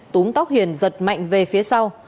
túm tóc hiền giật mạnh về phía sau